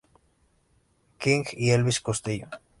King y Elvis Costello.